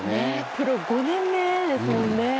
プロ５年目ですもんね。